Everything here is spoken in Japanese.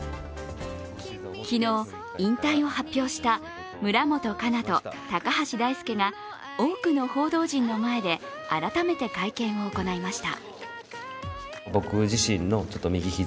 昨日、引退を発表した村元哉中と高橋大輔選手が多くの報道陣の前で改めて会見を行いました。